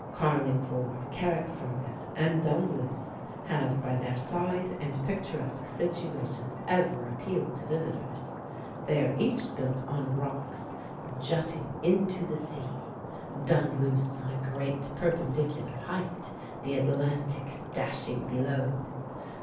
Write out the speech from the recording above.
Carlingford, Carrickfergus, and Dunluce have by their size and picturesque situations ever appealed to visitors. They are each built on rocks jutting into the sea, Dunluce on a great perpendicular height, the Atlantic dashing below.